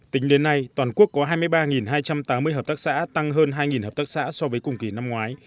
tính đến nay toàn quốc có hai mươi ba hai trăm tám mươi hợp tác xã tăng hơn hai hợp tác xã so với cùng kỳ năm ngoái